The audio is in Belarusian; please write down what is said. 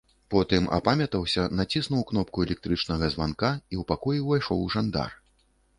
Потым апамятаўся, націснуў кнопку электрычнага званка, і ў пакой увайшоў жандар.